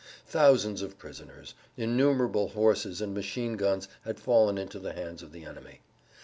Thousands of prisoners, innumerable horses and machine guns had fallen into the hands of the enemy.